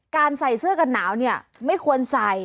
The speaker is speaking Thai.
ใส่เสื้อกันหนาวเนี่ยไม่ควรใส่